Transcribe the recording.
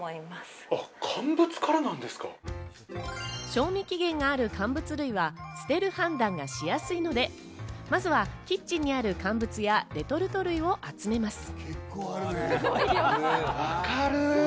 賞味期限がある乾物類は捨てる判断がしやすいので、まずはキッチンにある乾物やレトルト類を集めます。